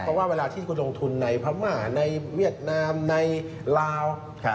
เพราะว่าเวลาที่คุณลงทุนในพม่าในเวียดนามในลาว